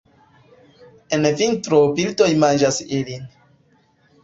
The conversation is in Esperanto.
En vintro birdoj manĝas ilin.